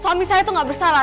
suami saya itu gak bersalah